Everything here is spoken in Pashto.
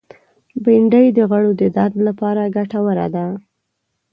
بېنډۍ د غړو د درد لپاره ګټوره ده